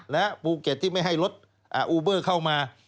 และภูเก็ตที่ไม่ให้รถอูเบอร์เข้ามา